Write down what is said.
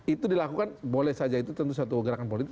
itu dilakukan boleh saja itu tentu satu gerakan politik